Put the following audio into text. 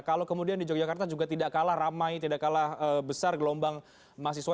kalau kemudian di yogyakarta juga tidak kalah ramai tidak kalah besar gelombang mahasiswa